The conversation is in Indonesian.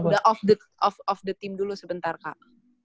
udah of the team dulu sebentar kak